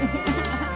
ハハハ！